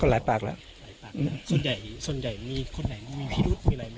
ก็ก็หลายปากแล้วหลายปากส่วนใหญ่ส่วนใหญ่มีคนไหนมีพิรุธ